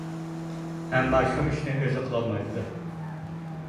ئەمما شۇ ئىشنى ئۆزى قىلالمايدۇ دە.